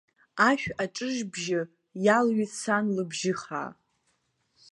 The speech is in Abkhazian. Ашә аҿыжбжьы иаалҩит сан лыбжьыхаа.